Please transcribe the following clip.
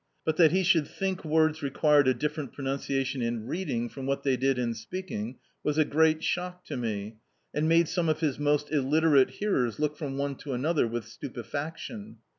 But that he should thmk words required a different pronunciation in reading from what they did in speaking, was a great shock to me, and made some of his most illiterate hearers look from one to another with stupefaction.